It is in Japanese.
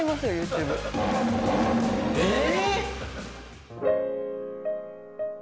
えっ！？